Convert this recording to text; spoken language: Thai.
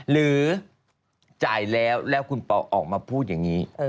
หรือจ่ายแล้วแล้วคุณปอออกมาพูดอย่างนี้